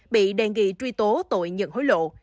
bị đề nghị truy tố tội nhận hối lộ